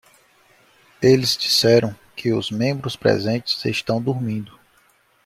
Eles disseram que os membros presentes estão dormindo.